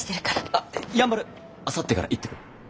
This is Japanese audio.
あっやんばるあさってから行ってくる。